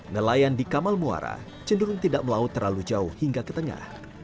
nelayan di kamal muara cenderung tidak melaut terlalu jauh hingga ke tengah